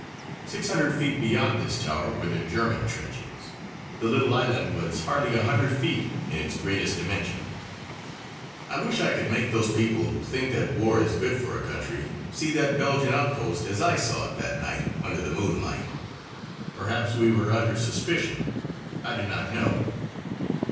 Six hundred feet beyond this tower were the German trenches. The little island was hardly a hundred feet in its greatest dimension. I wish I could make those people who think that war is good for a country see that Belgian outpost as I saw it that night under the moonlight. Perhaps we were under suspicion; I do not know.